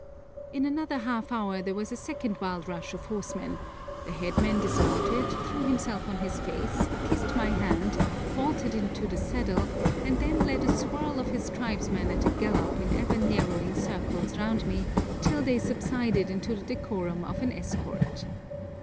In another half hour there was a second wild rush of horsemen, the headman dismounted, threw himself on his face, kissed my hand, vaulted into the saddle, and then led a swirl of his tribesmen at a gallop in ever narrowing circles round me till they subsided into the decorum of an escort.